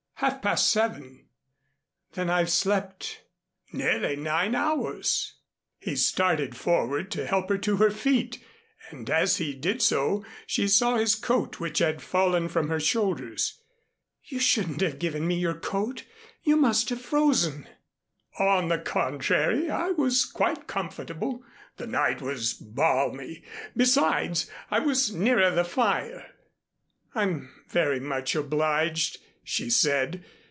"Half past seven." "Then I've slept " "Nearly nine hours." He started forward to help her to her feet and as he did so, she saw his coat, which had fallen from her shoulders. "You shouldn't have given me your coat. You must have frozen." "On the contrary, I was quite comfortable. The night was balmy besides, I was nearer the fire." "I'm very much obliged," she said.